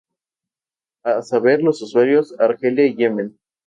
A saber, los usuarios, Argelia y Yemen.